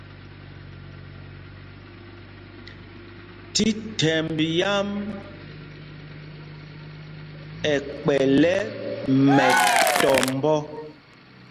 Thíthɛmb yǎm ɛ kpɛ̌l ɛ mɛtɔnɔ.